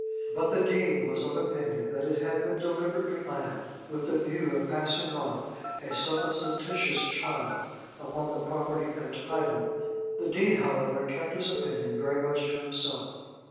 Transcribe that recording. But the Dean was of opinion that it had been deliberately planned with the view of passing off a supposititious child upon the property and title. The Dean, however, kept his opinion very much to himself.